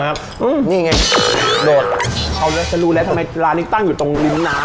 นะครับอื้มนี่ไงโดดเอาจะจะรู้แล้วทำไมร้านนี้ตั้งอยู่ตรงริมน้ำ